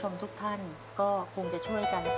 ว้าว